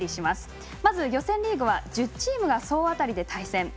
まず予選リーグは１０チームが総当たりで対戦。